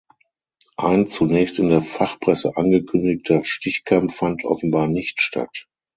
Ein zunächst in der Fachpresse angekündigter Stichkampf fand offenbar nicht statt.